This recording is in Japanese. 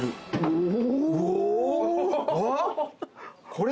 これ。